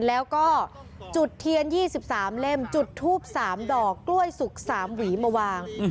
แล้วก็จุดเทียน๒๓เล่มจุดทูป๓ดอกกล้วยสุก๓หวีมาวาง